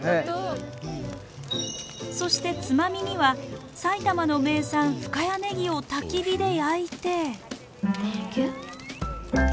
そしてつまみには埼玉の名産深谷ネギをたき火で焼いて。